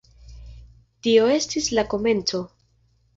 Tio estis la komenco.